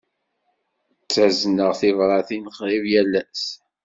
Ttazneɣ tibṛatin qrib yal ass.